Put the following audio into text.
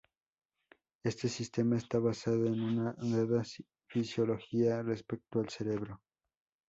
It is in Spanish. Este sistema está basado en una dada fisiológica respecto al cerebro.